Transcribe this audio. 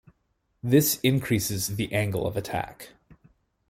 This increases the angle of attack.